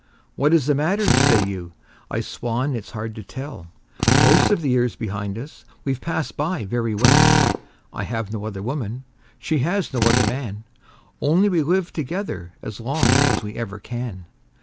"What is the matter?" say you. I swan it's hard to tell! Most of the years behind us we've passed by very well; I have no other woman, she has no other man Only we've lived together as long as we ever can.